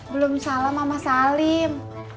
belum salam sama salim